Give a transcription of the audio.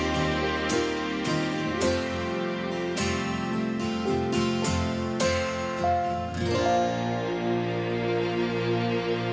โปรดติดตามตอนต่อไป